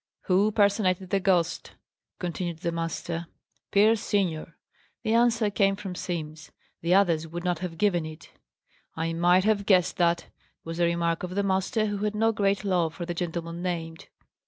"Who personated the ghost?" continued the master. "Pierce senior." The answer came from Simms. The others would not have given it. "I might have guessed that," was the remark of the master, who had no great love for the gentleman named.